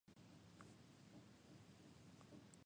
彼はライフルを拾い上げ、それで標的をねらった。